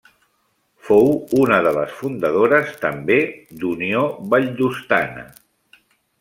Fou una de les fundadores també d'Unió Valldostana.